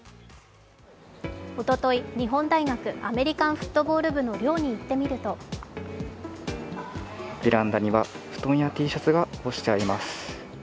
おととい、日本大学アメリカンフットボール部の寮に行ってみるとベランダには布団やＴシャツが干してあります。